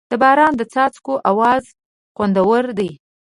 د باران د څاڅکو اواز خوندور دی.